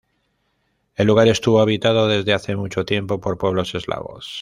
El lugar estuvo habitado desde hace mucho tiempo por pueblos eslavos.